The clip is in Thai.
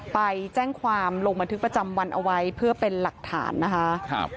ไปแจ้งความลงบันทึกประจำวันเอาไว้เพื่อเป็นหลักฐานนะคะ